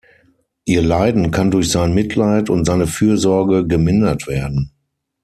Ihr Leiden kann durch sein Mitleid und seine Fürsorge gemindert werden.